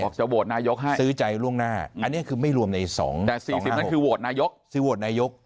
บอกจะโหวตนายกให้ซื้อใจล่วงหน้าอันนี้คือไม่รวมใน๒๕๖แต่๔๐นั้นคือโหวตนายก